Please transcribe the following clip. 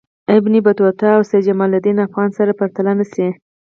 ابن بطوطه او سیدجماالدین افغان سره پرتله نه شي.